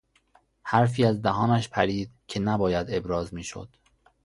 حرفی از دهانش پرید که نباید ابراز میشد.